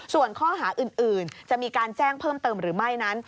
ส่วนข้อหาอื่นจะมีการแจ้งเพิ่มเติมหรือไม่นั้น